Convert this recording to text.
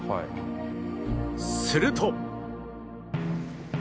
すると